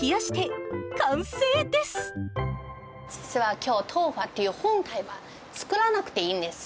実はきょう、トウファという本体は作らなくていいんです。